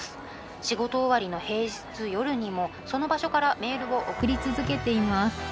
仕事終わりの平日夜にもその場所からメールを送り続けています」。